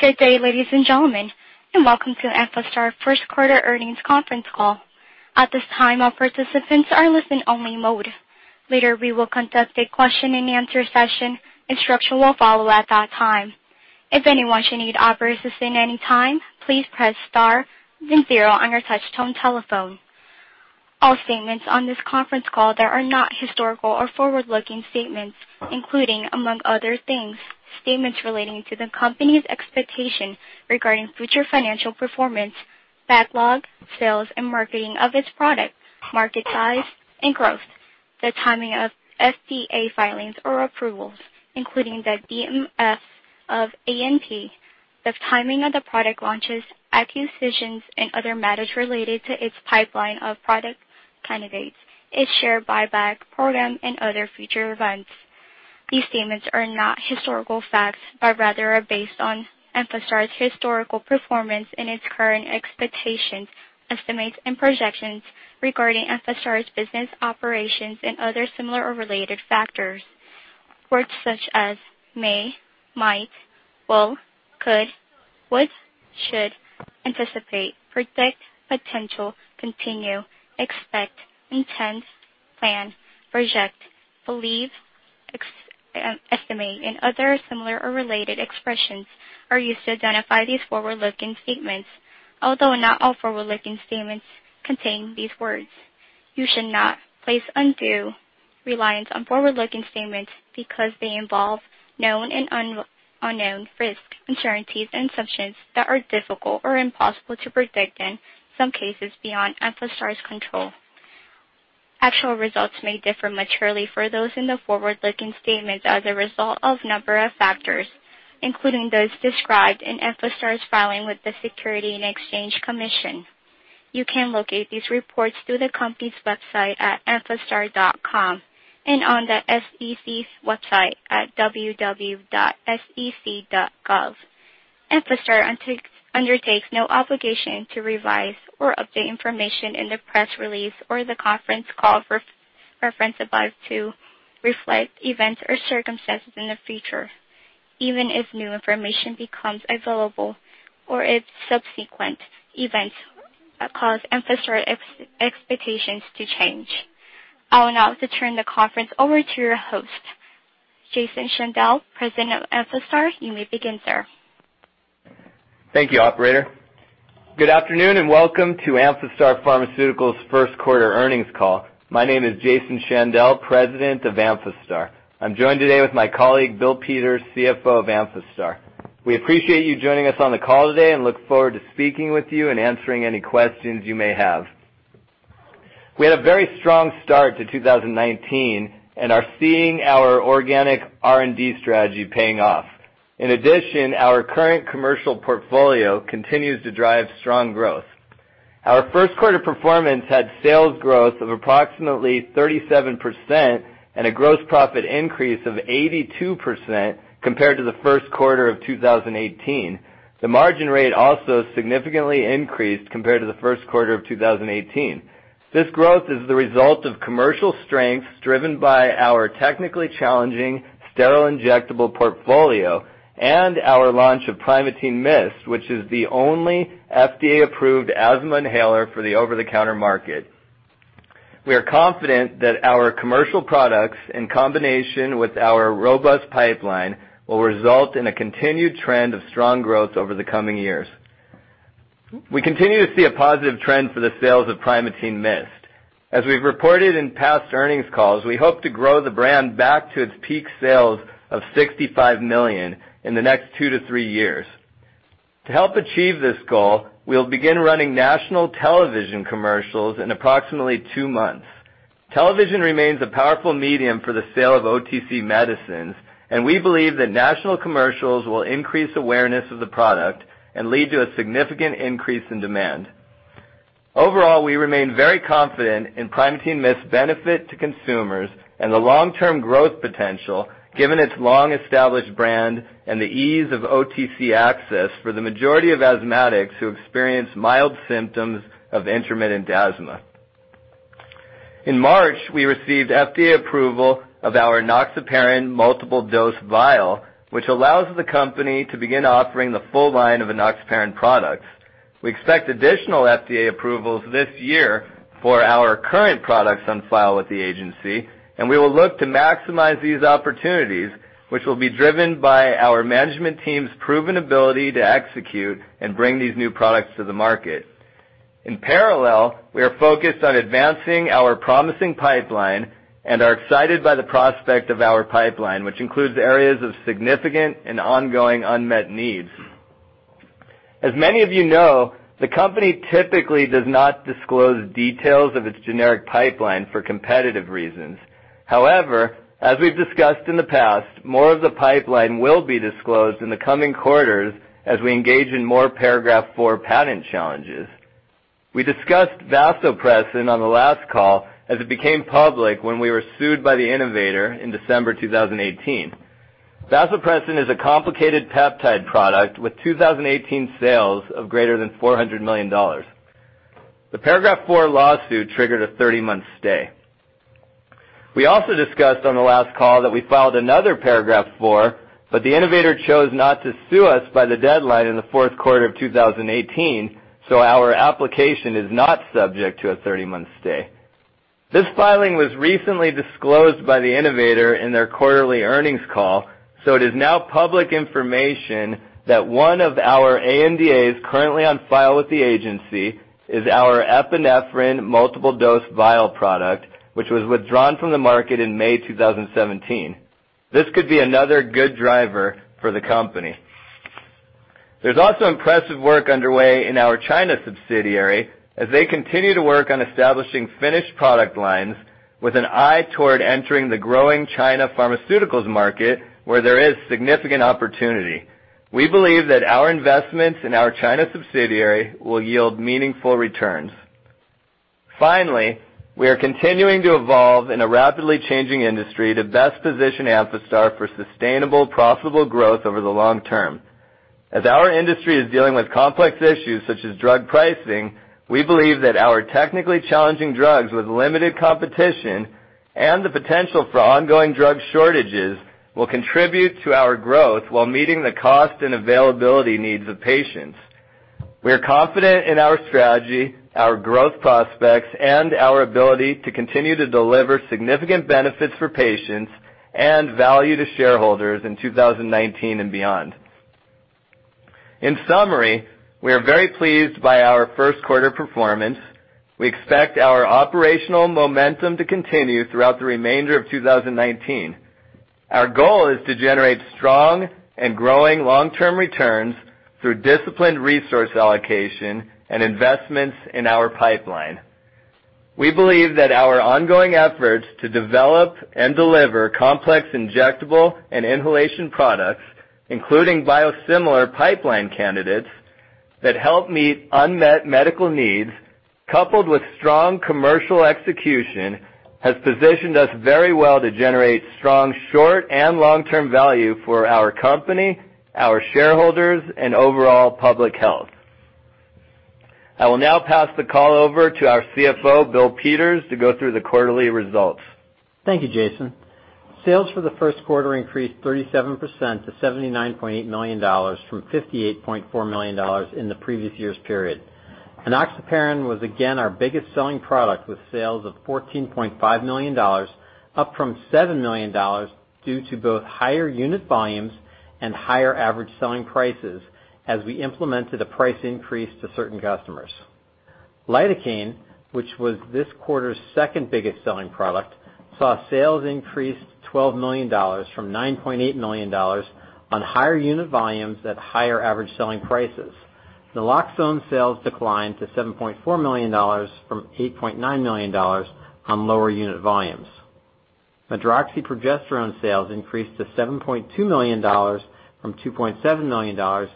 Good day, ladies and gentlemen, and welcome to Amphastar First Quarter Earnings Conference Call. At this time, all participants are in listen-only mode. Later, we will conduct a question-and-answer session. Instructions will follow at that time. If anyone should need operator assistance at any time, please press star then zero on your touch-tone telephone. All statements on this conference call that are not historical are forward-looking statements, including, among other things, statements relating to the company's expectations regarding future financial performance, backlog, sales, and marketing of its products, market size, and growth, the timing of FDA filings or approvals, including the DMF for API, the timing of the product launches, acquisitions, and other matters related to its pipeline of product candidates, its share buyback program, and other future events. These statements are not historical facts, but rather are based on Amphastar's historical performance and its current expectations, estimates, and projections regarding Amphastar's business operations and other similar or related factors. Words such as may, might, will, could, would, should, anticipate, predict, potential, continue, expect, intend, plan, project, believe, estimate, and other similar or related expressions are used to identify these forward-looking statements, although not all forward-looking statements contain these words. You should not place undue reliance on forward-looking statements because they involve known and unknown risks and uncertainties and assumptions that are difficult or impossible to predict in some cases beyond Amphastar's control. Actual results may differ materially from those in the forward-looking statements as a result of a number of factors, including those described in Amphastar's filings with the Securities and Exchange Commission. You can locate these reports through the company's website at amphastar.com and on the SEC's website at www.sec.gov. Amphastar undertakes no obligation to revise or update information in the press release or the conference call referenced above to reflect events or circumstances in the future, even if new information becomes available or if subsequent events cause Amphastar's expectations to change. I will now turn the conference over to your host, Jason Shandell, President of Amphastar. You may begin, sir. Thank you, Operator. Good afternoon and welcome to Amphastar Pharmaceuticals First Quarter Earnings Call. My name is Jason Shandell, President of Amphastar. I'm joined today with my colleague, Bill Peters, CFO of Amphastar. We appreciate you joining us on the call today and look forward to speaking with you and answering any questions you may have. We had a very strong start to 2019 and are seeing our organic R&D strategy paying off. In addition, our current commercial portfolio continues to drive strong growth. Our first quarter performance had sales growth of approximately 37% and a gross profit increase of 82% compared to the first quarter of 2018. The margin rate also significantly increased compared to the first quarter of 2018. This growth is the result of commercial strengths driven by our technically challenging sterile injectable portfolio and our launch of Primatene Mist, which is the only FDA-approved asthma inhaler for the over-the-counter market. We are confident that our commercial products, in combination with our robust pipeline, will result in a continued trend of strong growth over the coming years. We continue to see a positive trend for the sales of Primatene Mist. As we've reported in past earnings calls, we hope to grow the brand back to its peak sales of $65 million in the next two to three years. To help achieve this goal, we'll begin running national television commercials in approximately two months. Television remains a powerful medium for the sale of OTC medicines, and we believe that national commercials will increase awareness of the product and lead to a significant increase in demand. Overall, we remain very confident in Primatene Mist's benefit to consumers and the long-term growth potential, given its long-established brand and the ease of OTC access for the majority of asthmatics who experience mild symptoms of intermittent asthma. In March, we received FDA approval of our enoxaparin multiple-dose vial, which allows the company to begin offering the full line of enoxaparin products. We expect additional FDA approvals this year for our current products on file with the agency, and we will look to maximize these opportunities, which will be driven by our management team's proven ability to execute and bring these new products to the market. In parallel, we are focused on advancing our promising pipeline and are excited by the prospect of our pipeline, which includes areas of significant and ongoing unmet needs. As many of you know, the company typically does not disclose details of its generic pipeline for competitive reasons. However, as we've discussed in the past, more of the pipeline will be disclosed in the coming quarters as we engage in more Paragraph IV patent challenges. We discussed vasopressin on the last call as it became public when we were sued by the innovator in December 2018. vasopressin is a complicated peptide product with 2018 sales of greater than $400 million. The Paragraph IV lawsuit triggered a 30-month stay. We also discussed on the last call that we filed another Paragraph IV, but the innovator chose not to sue us by the deadline in the fourth quarter of 2018, so our application is not subject to a 30-month stay. This filing was recently disclosed by Amphastar in their quarterly earnings call, so it is now public information that one of our ANDAs currently on file with the agency is our epinephrine multiple-dose vial product, which was withdrawn from the market in May 2017. This could be another good driver for the company. There's also impressive work underway in our China subsidiary as they continue to work on establishing finished product lines with an eye toward entering the growing China pharmaceuticals market, where there is significant opportunity. We believe that our investments in our China subsidiary will yield meaningful returns. Finally, we are continuing to evolve in a rapidly changing industry to best position Amphastar for sustainable, profitable growth over the long term. As our industry is dealing with complex issues such as drug pricing, we believe that our technically challenging drugs with limited competition and the potential for ongoing drug shortages will contribute to our growth while meeting the cost and availability needs of patients. We are confident in our strategy, our growth prospects, and our ability to continue to deliver significant benefits for patients and value to shareholders in 2019 and beyond. In summary, we are very pleased by our first quarter performance. We expect our operational momentum to continue throughout the remainder of 2019. Our goal is to generate strong and growing long-term returns through disciplined resource allocation and investments in our pipeline. We believe that our ongoing efforts to develop and deliver complex injectable and inhalation products, including biosimilar pipeline candidates that help meet unmet medical needs, coupled with strong commercial execution, have positioned us very well to generate strong short and long-term value for our company, our shareholders, and overall public health. I will now pass the call over to our CFO, Bill Peters, to go through the quarterly results. Thank you, Jason. Sales for the first quarter increased 37% to $79.8 million from $58.4 million in the previous year's period. enoxaparin was again our biggest selling product with sales of $14.5 million, up from $7 million due to both higher unit volumes and higher average selling prices as we implemented a price increase to certain customers. Lidocaine, which was this quarter's second biggest selling product, saw sales increase to $12 million from $9.8 million on higher unit volumes at higher average selling prices. Naloxone sales declined to $7.4 million from $8.9 million on lower unit volumes. medroxyprogesterone sales increased to $7.2 million from $2.7 million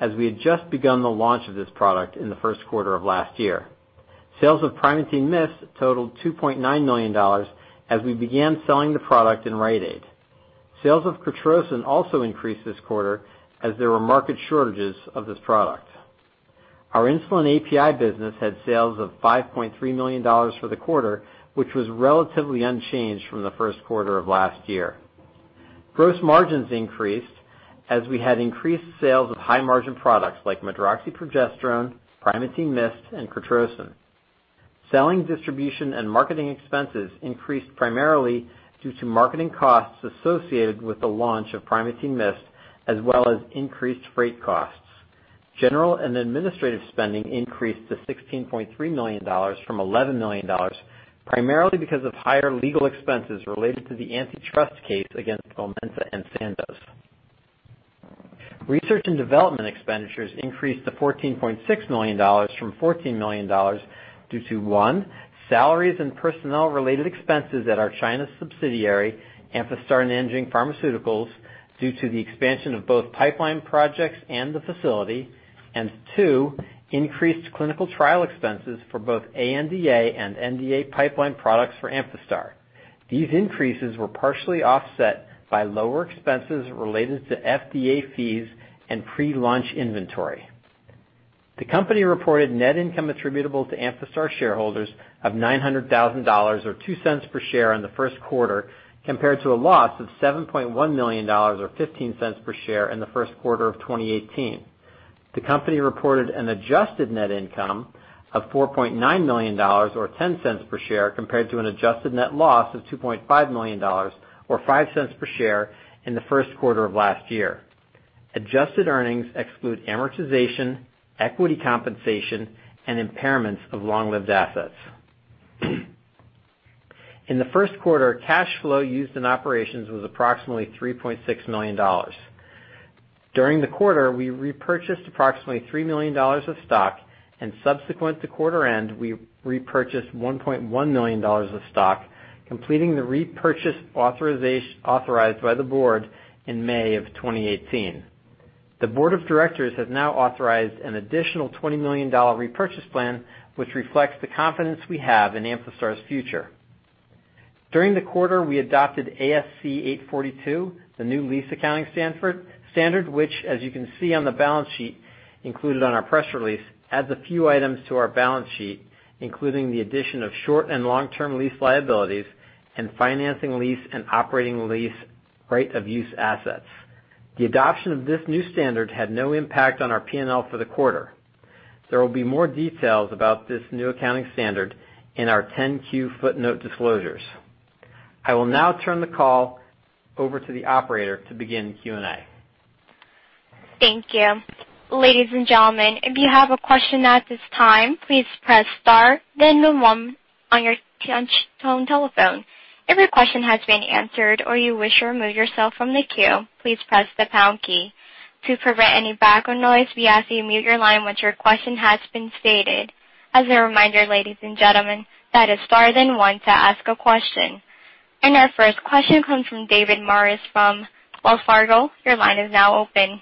as we had just begun the launch of this product in the first quarter of last year. Sales of Primatene Mist totaled $2.9 million as we began selling the product in Rite Aid. Sales of Cortrosyn also increased this quarter as there were market shortages of this product. Our insulin API business had sales of $5.3 million for the quarter, which was relatively unchanged from the first quarter of last year. Gross margins increased as we had increased sales of high-margin products like medroxyprogesterone, Primatene Mist, and Cortrosyn. Selling, distribution, and marketing expenses increased primarily due to marketing costs associated with the launch of Primatene Mist, as well as increased freight costs. General and administrative spending increased to $16.3 million from $11 million, primarily because of higher legal expenses related to the antitrust case against Momenta and Sandoz. Research and development expenditures increased to $14.6 million from $14 million due to, one, salaries and personnel-related expenses at our China subsidiary, Amphastar Nanjing Pharmaceuticals, due to the expansion of both pipeline projects and the facility, and, two, increased clinical trial expenses for both ANDA and NDA pipeline products for Amphastar. These increases were partially offset by lower expenses related to FDA fees and pre-launch inventory. The company reported net income attributable to Amphastar shareholders of $900,000 or $0.02 per share in the first quarter, compared to a loss of $7.1 million or $0.15 per share in the first quarter of 2018. The company reported an adjusted net income of $4.9 million or $0.10 per share, compared to an adjusted net loss of $2.5 million or $0.05 per share in the first quarter of last year. Adjusted earnings exclude amortization, equity compensation, and impairments of long-lived assets. In the first quarter, cash flow used in operations was approximately $3.6 million. During the quarter, we repurchased approximately $3 million of stock, and subsequent to quarter end, we repurchased $1.1 million of stock, completing the repurchase authorized by the board in May of 2018. The board of directors has now authorized an additional $20 million repurchase plan, which reflects the confidence we have in Amphastar's future. During the quarter, we adopted ASC 842, the new lease accounting standard, which, as you can see on the balance sheet included on our press release, adds a few items to our balance sheet, including the addition of short and long-term lease liabilities and financing lease and operating lease right of use assets. The adoption of this new standard had no impact on our P&L for the quarter. There will be more details about this new accounting standard in our 10-Q footnote disclosures. I will now turn the call over to the Operator to begin Q&A. Thank you. Ladies and gentlemen, if you have a question at this time, please press star, then the one on your touch-tone telephone. If your question has been answered or you wish to remove yourself from the queue, please press the pound key. To prevent any background noise, we ask that you mute your line once your question has been stated. As a reminder, ladies and gentlemen, that is star then one to ask a question. And our first question comes from David Maris from Wells Fargo. Your line is now open.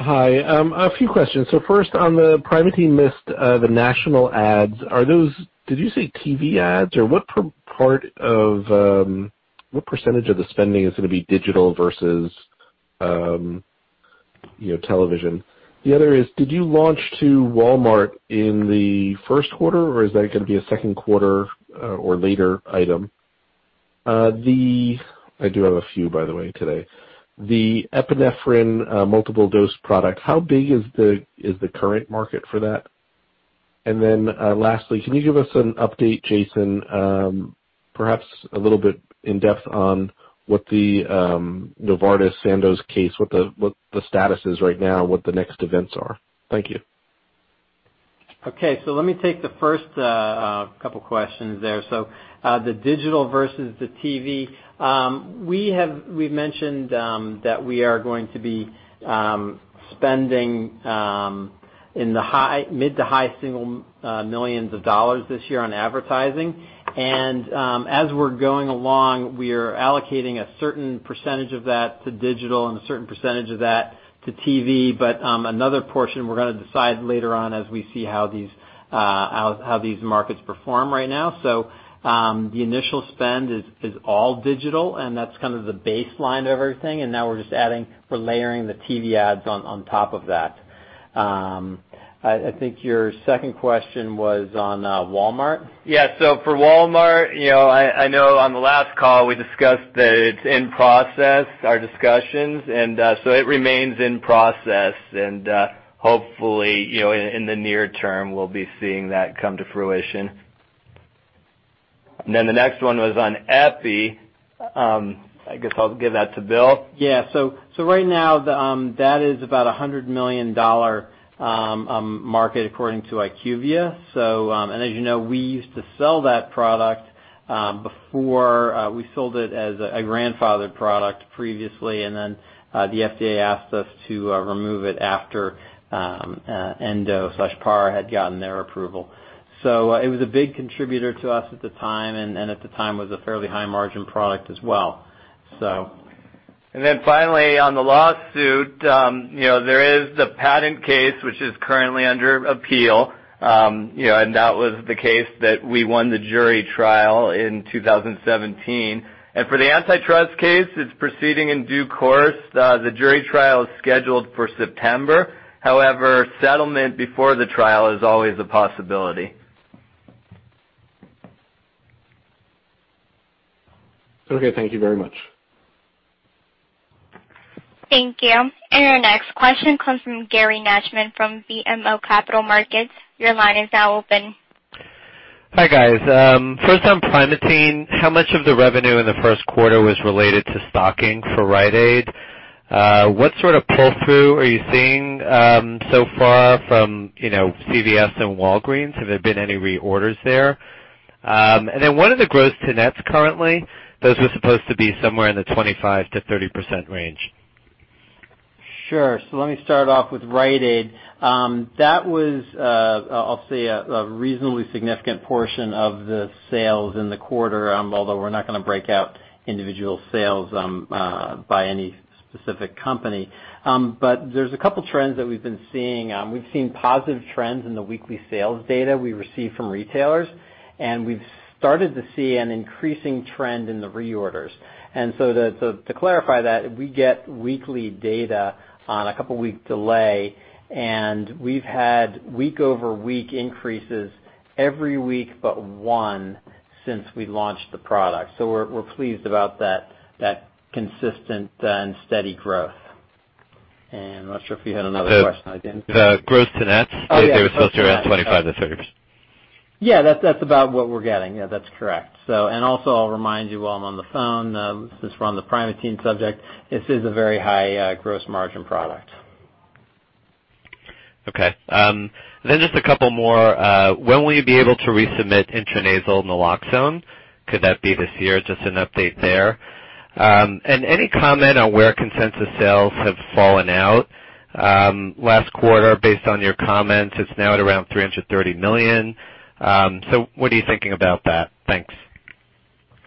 Hi. A few questions. So first, on the Primatene Mist, the national ads, did you say TV ads? Or what percentage of the spending is going to be digital versus television? The other is, did you launch to Walmart in the first quarter, or is that going to be a second quarter or later item? I do have a few, by the way, today. The epinephrine multiple-dose product, how big is the current market for that? And then lastly, can you give us an update, Jason, perhaps a little bit in depth on what the Novartis Sandoz case, what the status is right now, what the next events are? Thank you. Okay. So let me take the first couple of questions there. So the digital versus the TV, we've mentioned that we are going to be spending in the mid- to high-single millions of dollars this year on advertising. And as we're going along, we are allocating a certain percentage of that to digital and a certain percentage of that to TV, but another portion we're going to decide later on as we see how these markets perform right now. So the initial spend is all digital, and that's kind of the baseline of everything. And now we're just adding, we're layering the TV ads on top of that. I think your second question was on Walmart. Yeah, so for Walmart, I know on the last call we discussed that it's in process, our discussions, and so it remains in process, and hopefully in the near term we'll be seeing that come to fruition, and then the next one was on Epi. I guess I'll give that to Bill. Yeah. So right now that is about a $100 million market according to IQVIA. And as you know, we used to sell that product before we sold it as a grandfathered product previously, and then the FDA asked us to remove it after Endo Pharma had gotten their approval. So it was a big contributor to us at the time, and at the time was a fairly high-margin product as well, so. And then finally, on the lawsuit, there is the patent case which is currently under appeal, and that was the case that we won the jury trial in 2017. And for the antitrust case, it's proceeding in due course. The jury trial is scheduled for September. However, settlement before the trial is always a possibility. Okay. Thank you very much. Thank you. And our next question comes from Gary Nachman from BMO Capital Markets. Your line is now open. Hi guys. First on Primatene, how much of the revenue in the first quarter was related to stocking for Rite Aid? What sort of pull-through are you seeing so far from CVS and Walgreens? Have there been any reorders there? And then what are the gross margins currently? Those were supposed to be somewhere in the 25%-30% range. Sure, so let me start off with Rite Aid. That was, I'll say, a reasonably significant portion of the sales in the quarter, although we're not going to break out individual sales by any specific company, but there's a couple of trends that we've been seeing. We've seen positive trends in the weekly sales data we receive from retailers, and we've started to see an increasing trend in the reorders. And so to clarify that, we get weekly data on a couple of weeks' delay, and we've had week-over-week increases every week but one since we launched the product. So we're pleased about that consistent and steady growth, and I'm not sure if you had another question, James? The gross margins? They were supposed to be around 25%-30%. Yeah. That's about what we're getting. Yeah. That's correct. And also, I'll remind you while I'm on the phone, since we're on the Primatene subject, this is a very high gross margin product. Okay. Then just a couple more. When will you be able to resubmit intranasal naloxone? Could that be this year? Just an update there. And any comment on where consensus sales have fallen out? Last quarter, based on your comments, it's now at around $330 million. So what are you thinking about that? Thanks.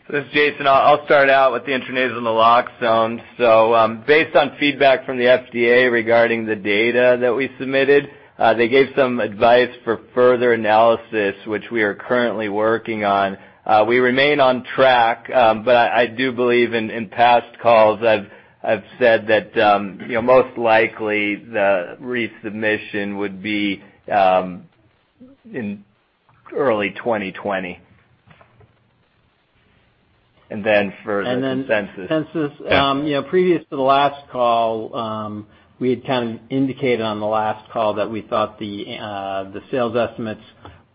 This is Jason. I'll start out with the intranasal naloxone, so based on feedback from the FDA regarding the data that we submitted, they gave some advice for further analysis, which we are currently working on. We remain on track, but I do believe in past calls I've said that most likely the resubmission would be in early 2020, and then for the consensus. And then previous to the last call, we had kind of indicated on the last call that we thought the sales estimates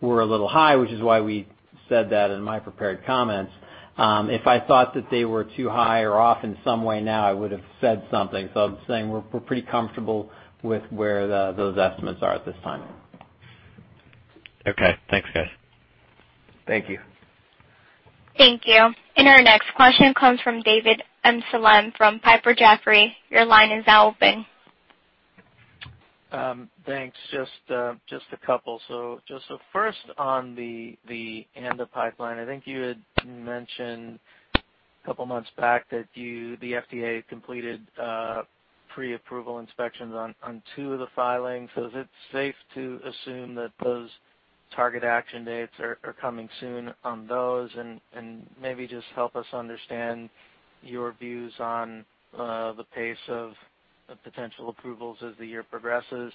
were a little high, which is why we said that in my prepared comments. If I thought that they were too high or off in some way now, I would have said something. So I'm saying we're pretty comfortable with where those estimates are at this time. Okay. Thanks, guys. Thank you. Thank you. And our next question comes from David Amsellem from Piper Jaffray. Your line is now open. Thanks. Just a couple. So first, on the ANDA pipeline, I think you had mentioned a couple of months back that the FDA completed pre-approval inspections on two of the filings. So is it safe to assume that those target action dates are coming soon on those? And maybe just help us understand your views on the pace of potential approvals as the year progresses.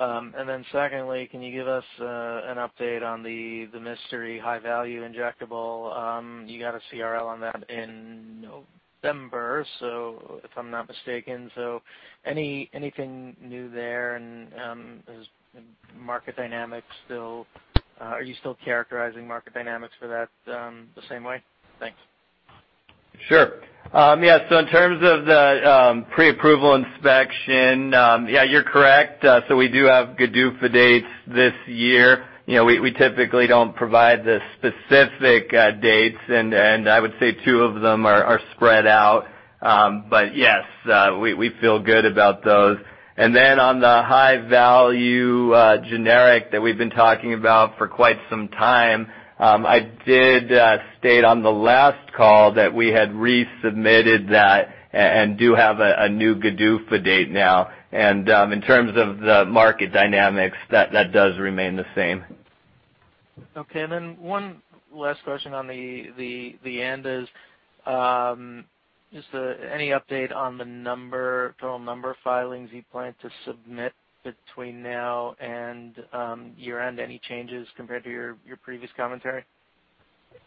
And then secondly, can you give us an update on the mystery high-value injectable? You got a CRL on that in November, if I'm not mistaken. So anything new there? And is market dynamics still, are you still characterizing market dynamics for that the same way? Thanks. Sure. Yeah. So in terms of the pre-approval inspection, yeah, you're correct. So we do have GDUFA dates this year. We typically don't provide the specific dates, and I would say two of them are spread out. But yes, we feel good about those. And then on the high-value generic that we've been talking about for quite some time, I did state on the last call that we had resubmitted that and do have a new GDUFA date now. And in terms of the market dynamics, that does remain the same. Okay. And then one last question on the ANDAs. Just any update on the total number of filings you plan to submit between now and year-end? Any changes compared to your previous commentary?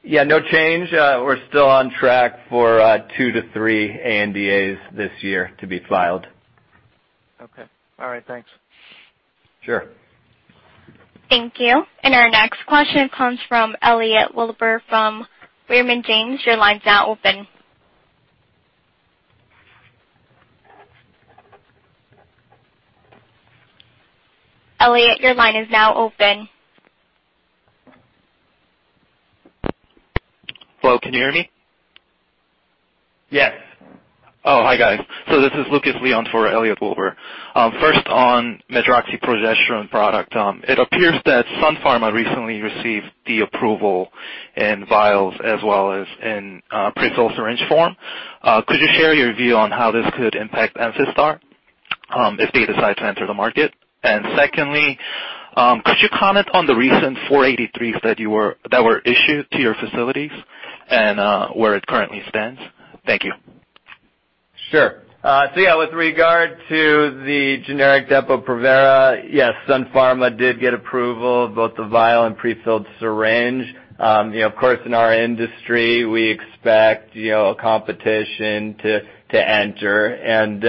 Yeah. No change. We're still on track for two to three ANDAs this year to be filed. Okay. All right. Thanks. Sure. Thank you. And our next question comes from Elliot Wilbur from Raymond James. Your line's now open. Elliot, your line is now open. Hello. Can you hear me? Yes. Oh, hi guys. So this is Lucas Lee for Elliot Wilbur. First, on medroxyprogesterone product, it appears that Sun Pharma recently received the approval in vials as well as in prefilled syringe form. Could you share your view on how this could impact Amphastar if they decide to enter the market? And secondly, could you comment on the recent 483s that were issued to your facilities and where it currently stands? Thank you. Sure. So yeah, with regard to the generic Depo-Provera, yes, Sun Pharma did get approval, both the vial and prefilled syringe. Of course, in our industry, we expect competition to enter. And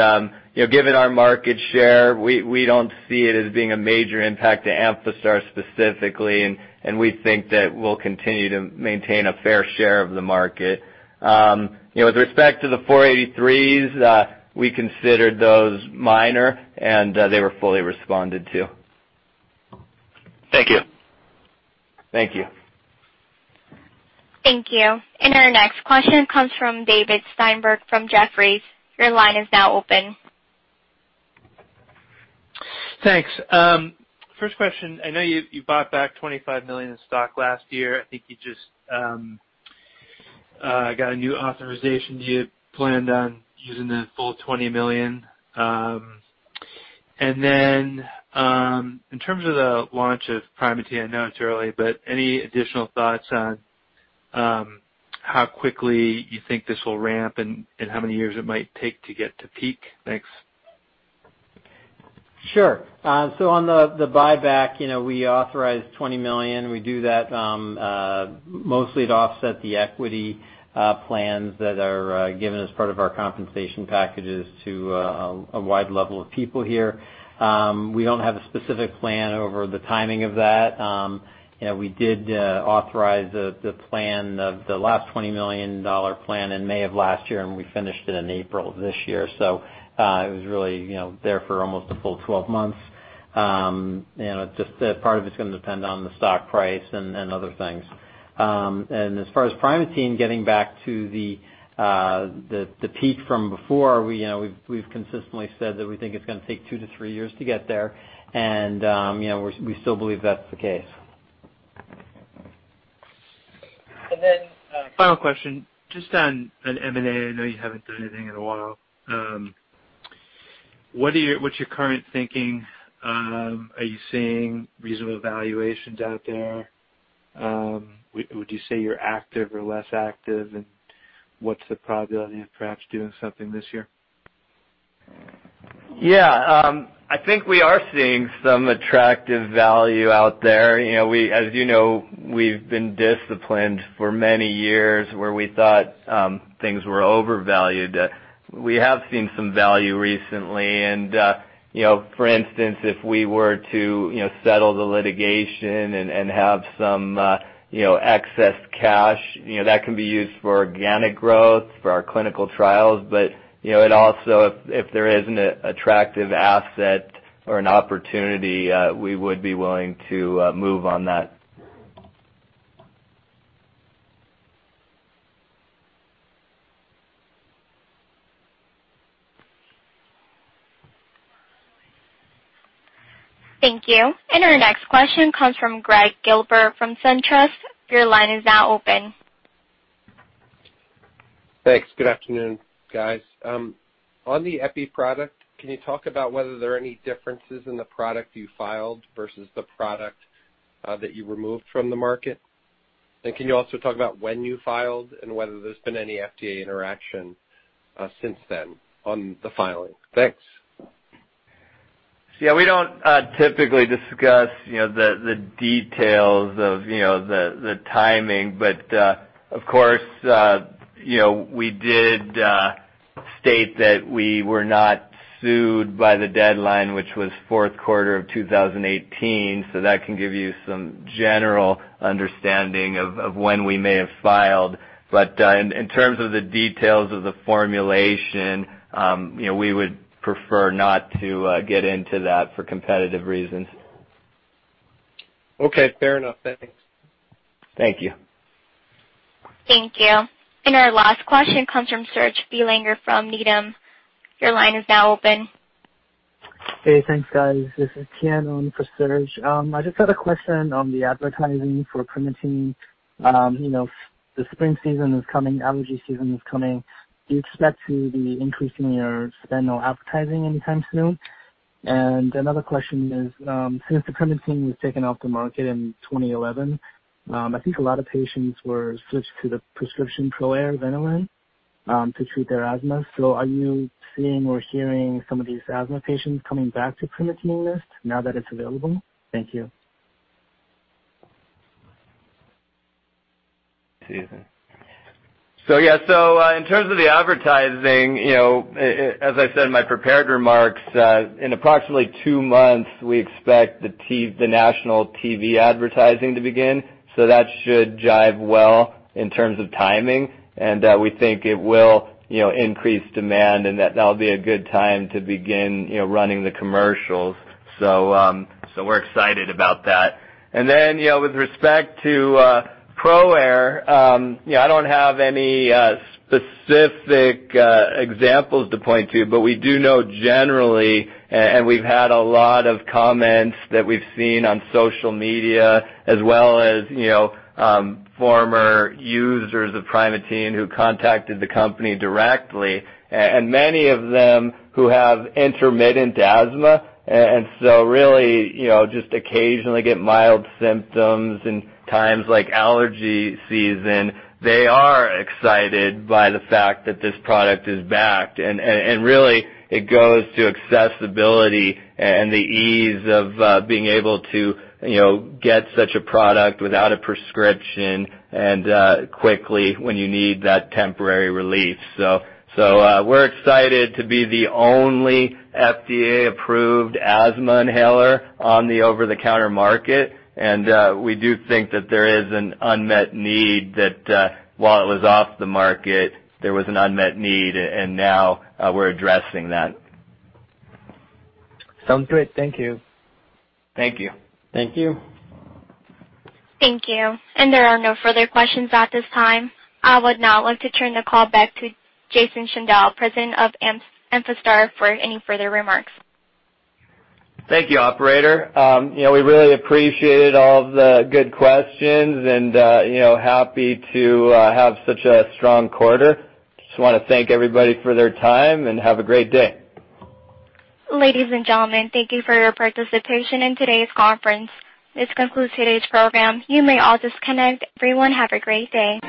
given our market share, we don't see it as being a major impact to Amphastar specifically, and we think that we'll continue to maintain a fair share of the market. With respect to the 483s, we considered those minor, and they were fully responded to. Thank you. Thank you. Thank you. And our next question comes from David Steinberg from Jefferies. Your line is now open. Thanks. First question. I know you bought back 25 million in stock last year. I think you just got a new authorization. Do you plan on using the full 20 million? And then in terms of the launch of Primatene, I know it's early, but any additional thoughts on how quickly you think this will ramp and how many years it might take to get to peak next? Sure, so on the buyback, we authorized $20 million. We do that mostly to offset the equity plans that are given as part of our compensation packages to a wide level of people here. We don't have a specific plan over the timing of that. We did authorize the last $20 million plan in May of last year, and we finished it in April of this year. So it was really there for almost a full 12 months. Just part of it's going to depend on the stock price and other things. As far as Primatene getting back to the peak from before, we've consistently said that we think it's going to take two to three years to get there, and we still believe that's the case. And then final question. Just on M&A, I know you haven't done anything in a while. What's your current thinking? Are you seeing reasonable valuations out there? Would you say you're active or less active? And what's the probability of perhaps doing something this year? Yeah. I think we are seeing some attractive value out there. As you know, we've been disciplined for many years where we thought things were overvalued. We have seen some value recently. And for instance, if we were to settle the litigation and have some excess cash, that can be used for organic growth for our clinical trials. But also, if there is an attractive asset or an opportunity, we would be willing to move on that. Thank you. And our next question comes from Greg Gilbert from SunTrust. Your line is now open. Thanks. Good afternoon, guys. On the Epi product, can you talk about whether there are any differences in the product you filed versus the product that you removed from the market? And can you also talk about when you filed and whether there's been any FDA interaction since then on the filing? Thanks. Yeah. We don't typically discuss the details of the timing, but of course, we did state that we were not sued by the deadline, which was fourth quarter of 2018. So that can give you some general understanding of when we may have filed. But in terms of the details of the formulation, we would prefer not to get into that for competitive reasons. Okay. Fair enough. Thanks. Thank you. Thank you. And our last question comes from Serge Belanger from Needham. Your line is now open. Hey. Thanks, guys. This is Keenan for Serge. I just had a question on the advertising for Primatene. The spring season is coming. Allergy season is coming. Do you expect to be increasing your spend on advertising anytime soon? And another question is, since the Primatene was taken off the market in 2011, I think a lot of patients were switched to the prescription ProAir, Ventolin to treat their asthma. So are you seeing or hearing some of these asthma patients coming back to Primatene Mist now that it's available? Thank you. So yeah. In terms of the advertising, as I said in my prepared remarks, in approximately two months, we expect the national TV advertising to begin. That should jibe well in terms of timing. We think it will increase demand, and that will be a good time to begin running the commercials. We're excited about that. With respect to ProAir, I don't have any specific examples to point to, but we do know generally, and we've had a lot of comments that we've seen on social media as well as former users of Primatene who contacted the company directly. Many of them who have intermittent asthma, and so really just occasionally get mild symptoms in times like allergy season, they are excited by the fact that this product is backed. And really, it goes to accessibility and the ease of being able to get such a product without a prescription and quickly when you need that temporary relief. So we're excited to be the only FDA-approved asthma inhaler on the over-the-counter market. And we do think that there is an unmet need that while it was off the market, there was an unmet need, and now we're addressing that. Sounds great. Thank you. Thank you. Thank you. Thank you. And there are no further questions at this time. I would now like to turn the call back to Jason Shandell, President of Amphastar, for any further remarks. Thank you, Operator. We really appreciated all of the good questions and happy to have such a strong quarter. Just want to thank everybody for their time and have a great day. Ladies and gentlemen, thank you for your participation in today's conference. This concludes today's program. You may all disconnect. Everyone, have a great day.